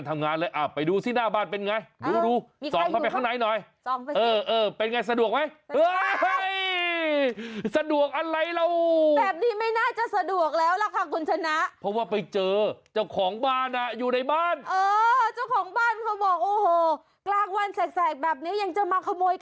กลางวันแสกแสกแบบเนี้ยยังจะมาขโมยกันได้เนอะ